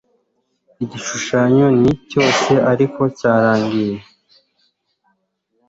Igishushanyo ni cyose ariko cyarangiye